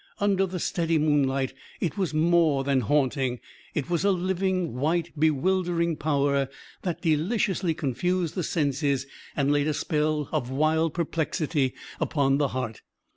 Under the steady moonlight it was more than haunting. It was a living, white, bewildering power that deliciously confused the senses and laid a spell of wild perplexity upon the heart.